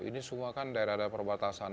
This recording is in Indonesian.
ini semua kan daerah daerah perbatasan